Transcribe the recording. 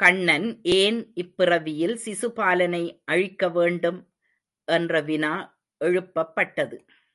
கண்ணன் ஏன் இப்பிறவியில் சிசுபாலனை அழிக்க வேண்டும்? என்ற வினா எழுப்பப்பட்டது.